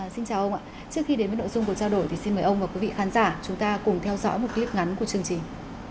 xin chào ông ạ trước khi đến với nội dung của trao đổi thì xin mời ông và quý vị khán giả chúng ta cùng theo dõi một clip ngắn của chương trình